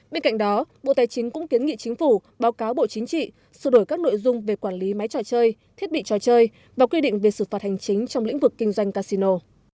bên cạnh đó bộ tài chính cũng kiến nghị chính phủ báo cáo bộ chính trị sửa đổi các nội dung về quản lý máy trò chơi thiết bị trò chơi và quy định về sự phạt hành chính trong lĩnh vực kinh doanh casino